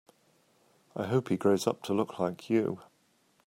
I hope he grows up to look like you.